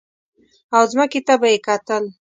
او ځمکې ته به یې کتل.